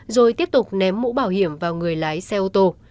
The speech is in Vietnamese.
rồi tiếp tục ném mũ bảo hiểm vào người lái xe ô tô